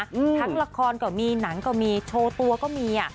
ทั้งละครก็มีหนังก็มีโชว์ตัวก็มีอ่ะ